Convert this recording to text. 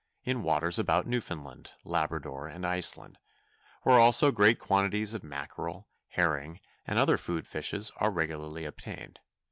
in waters about Newfoundland, Labrador, and Iceland, where also great quantities of mackerel, herring, and other food fishes are regularly obtained.